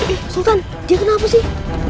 eh sultan dia kenapa sih